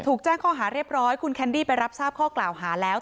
แจ้งข้อหาเรียบร้อยคุณแคนดี้ไปรับทราบข้อกล่าวหาแล้ว